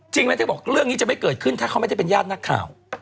จริงแล้วที่บอกเรื่องนี้จะไม่เกิดขึ้นถ้าเขาไม่ได้เป็นญาตินักข่าว